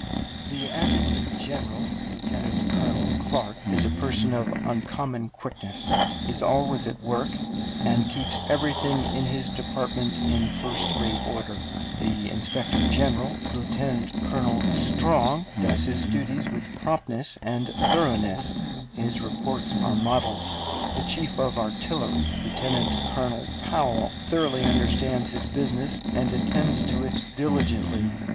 The adjutant general, Lieutenant Colonel Clark, is a person of uncommon quickness, is always at work, and keeps everything in his department in first rate order. The inspector general, Lieutenant Colonel Strong, does his duties with promptness and thoroughness; his reports are models. The chief of artillery, Lieutenant Colonel Powell, thoroughly understands his business, and attends to it diligently.